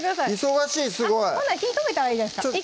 忙しいすごい火止めたらいいじゃないですか